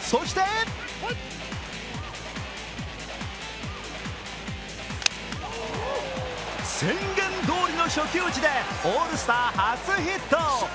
そして宣言どおりの初球打ちでオールスター初ヒット。